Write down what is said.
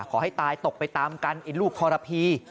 ขอให้ตายตกไปตามกันไอ้ลูกทรพี